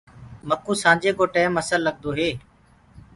مڪُو سآنجي ڪو ٽيم اسل لگدو هي۔